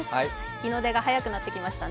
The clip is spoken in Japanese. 日の出が早くなってきましたね。